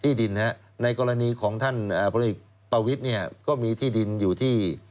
ที่ดินครับในกรณีของท่านพลังเอกปวิทย์ก็มีที่ดินอยู่ที่